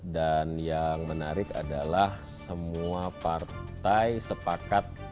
dan yang menarik adalah semua partai sepakat